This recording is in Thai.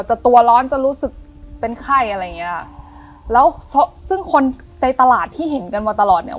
ตัวร้อนจะรู้สึกเป็นไข้อะไรอย่างเงี้ยแล้วซึ่งคนในตลาดที่เห็นกันมาตลอดเนี้ย